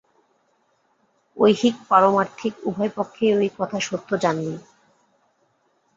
ঐহিক পারমার্থিক উভয় পক্ষেই ঐ কথা সত্য জানবি।